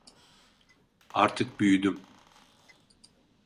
Artık büyüdüm.